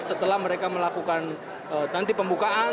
setelah mereka melakukan nanti pembukaan